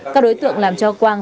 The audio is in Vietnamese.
các đối tượng làm cho quang